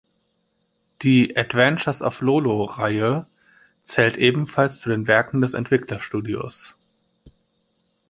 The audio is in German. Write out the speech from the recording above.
Die "Adventures-of-Lolo"-Reihe zählt ebenfalls zu den Werken des Entwicklerstudios.